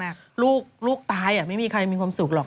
ลูกตายไม่มีใครมีความสุขหรอก